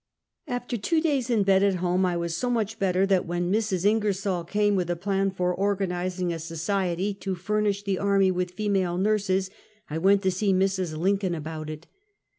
Aftek two days in bed at home, I was so niiicli bet ter, that when Mrs, Ingersol came with a plan for or ganizing a society to furnish the army with female nm'ses, I went to see Mrs. Lincoln about it.